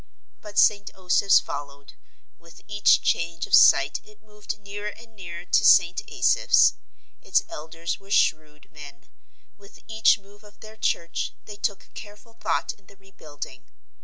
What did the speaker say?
But St. Osoph's followed. With each change of site it moved nearer and nearer to St. Asaph's. Its elders were shrewd men. With each move of their church they took careful thought in the rebuilding.